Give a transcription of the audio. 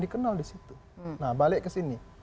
dikenal di situ nah balik ke sini